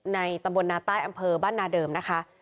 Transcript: ในตำบลนาใต้อำเภอบ้านนาเดิมนะคะ